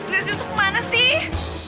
lesyu tuh kemana sih